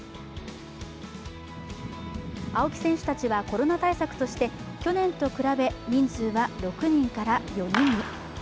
青木選手たちは、コロナ対策として去年と比べて人数は６人から４人に。